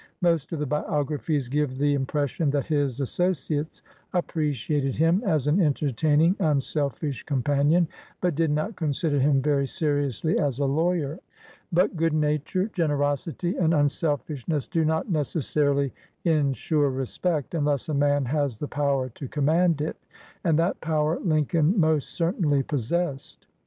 Most of the biographies give the impression that his associates appreciated him as an entertaining, unselfish companion, but did not consider him very seriously as a lawyer. But good nature, generosity, and unselfishness do not necessarily insure respect unless a man has the power to command it, and that power Lincoln most certainly possessed.